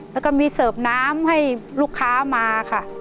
แล้วก็มีเสิร์ฟน้ำให้ลูกค้ามาค่ะ